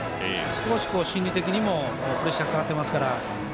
少し心理的にもプレッシャーかかってますから。